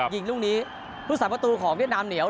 ยิงลูกนี้พุทธศาสประตูของเวียดนามเหนียว